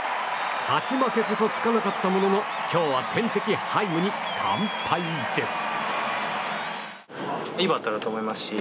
勝ち負けこそつかなかったものの今日は天敵ハイムに完敗です。